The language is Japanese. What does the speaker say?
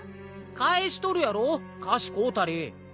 返しとるやろ菓子買うたり。